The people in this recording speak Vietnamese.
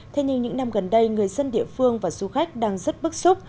thế nhưng những năm gần đây người dân địa phương và du khách đang rất bức xúc